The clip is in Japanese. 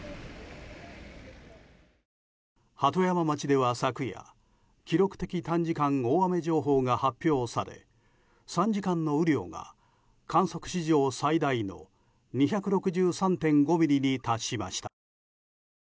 鳩山町では昨夜記録的短時間大雨情報が発表され３時間の雨量が観測史上最大の２６３．５ミリに達しました。